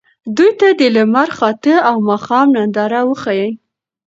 دوی ته د لمر خاته او ماښام ننداره وښایئ.